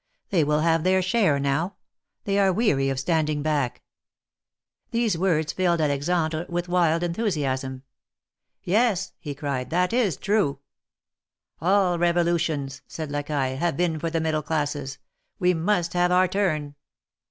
They will have their share now : they are weary of standing back !" These words filled Alexandre with wild enthusiasm. " Yes," he cried, " that is true !" ^^All revolutions," said Lacaille, ^^have been for the middle classes. We must have our turn